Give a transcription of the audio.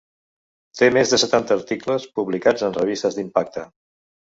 Té més de setanta articles publicats en revistes d’impacte.